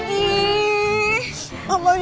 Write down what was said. abang jangan pergi